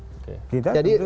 tidak ada itu